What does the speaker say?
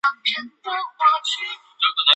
约活动于明弘治至嘉靖年间。